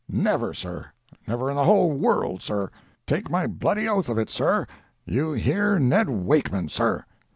—never, sir,—never in the world, sir. Take my bloody oath of it, sir. You hear Ned Wakeman, sir."